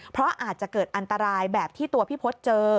เพราะอาจจะเกิดอันตรายแบบที่ตัวพี่พศเจอ